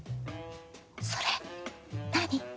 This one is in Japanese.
それ何？